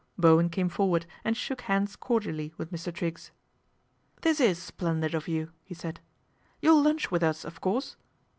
Bowen came forward and shook hands cordially #ith Mr. Triggs. " This is splendid of you !" he said. " You'll unch with us, of course."